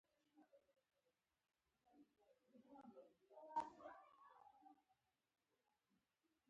دا د ژباړې او چاپ لپاره یو ناسنجولی کار دی.